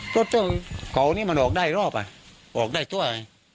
เพราะจริงเกาะนี้มันออกได้รอบอ่ะออกได้ต้วย